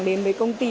đến với công ty